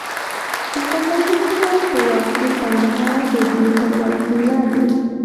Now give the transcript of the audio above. د صفوي حکومت په وخت کې کندهار د دوی تر ولکې لاندې و.